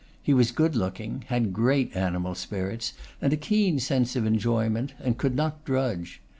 He was good looking, had great animal spirits, and a keen sense of enjoyment, and could not drudge.